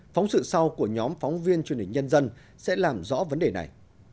phóng sự sau của nhóm phóng viên truyền hình nhân dân sẽ làm rõ vấn đề này